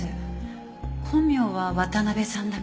本名は渡辺さんだから。